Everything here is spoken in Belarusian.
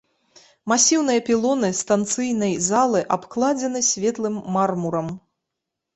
Масіўныя пілоны станцыйнай залы абкладзены светлым мармурам.